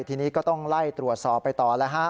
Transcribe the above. ทีนี้ก็ต้องไล่ตรวจสอบไปต่อแล้วฮะ